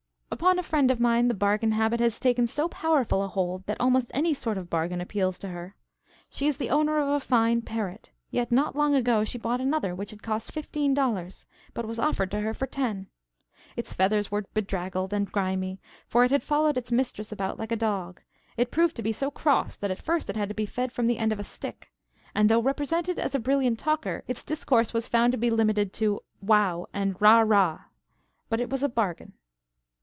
Upon a friend of mine, the bargain habit has taken so powerful a hold that almost any sort of a bargain appeals to her. She is the owner of a fine parrot, yet not long ago she bought another, which had cost fifteen dollars, but was offered to her for ten. Its feathers were bedraggled and grimy, for it had followed its mistress about like a dog; it proved to be so cross that at first it had to be fed from the end of a stick; and though represented as a brilliant talker, its discourse was found to be limited to "Wow!" and "Rah! Rah!" but it was a bargain.